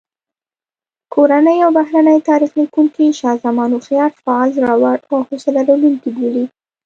کورني او بهرني تاریخ لیکونکي شاه زمان هوښیار، فعال، زړور او حوصله لرونکی بولي.